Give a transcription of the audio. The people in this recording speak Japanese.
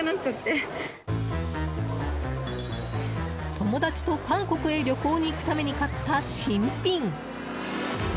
友達と韓国へ旅行に行くために買った新品。